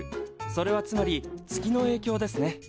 それはつまり月のえいきょうですね。